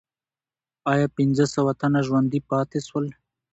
آیا پنځه سوه تنه ژوندي پاتې سول؟